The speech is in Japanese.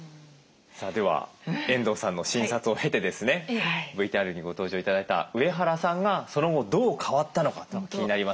さあでは遠藤さんの診察を経てですねＶＴＲにご登場頂いた上原さんがその後どう変わったのか気になりますよね？